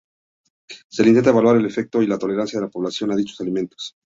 Se intenta evaluar el efecto y la tolerancia de la población a dichos alimentos.